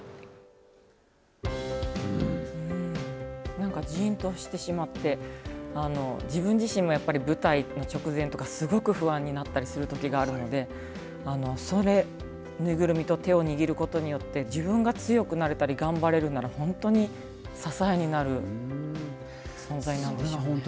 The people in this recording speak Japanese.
なんかじーんとしてしまって自分自身もやっぱり舞台の直前とかすごく不安になったりするときがあるのでその縫いぐるみと手を握ることで自分が強くなれたり頑張れるなら本当に支えになる存在なんでしょうね。